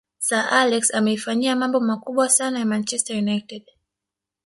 sir alex ameifanyia mambo makubwa sana manchester united